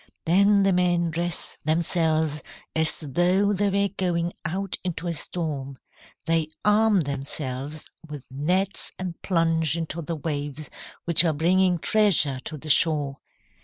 "Then the men dress themselves as though they were going out into a storm. They arm themselves with nets and plunge into the waves, which are bringing treasure to the shore.